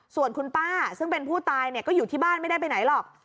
ส่วนคุณป้าซึ่งเป็นผู้ตายก็อยู่ที่บ้านไม่ได้ไปไหนหรอก